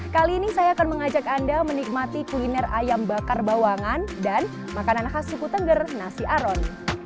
kali ini saya akan mengajak anda menikmati kuliner ayam bakar bawangan dan makanan khas suku tengger nasi aron